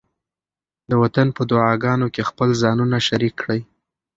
د وطن په دعاګانو کې خپل ځانونه شریک کړئ.